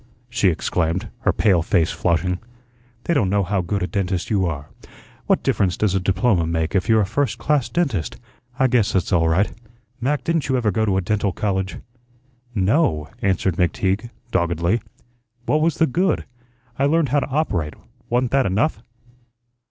she exclaimed, her pale face flushing. "They don't know how good a dentist you are. What difference does a diploma make, if you're a first class dentist? I guess that's all right. Mac, didn't you ever go to a dental college?" "No," answered McTeague, doggedly. "What was the good? I learned how to operate; wa'n't that enough?"